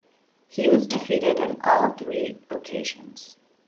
He was defeated on all three occasions.